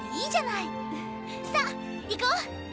さあ行こう！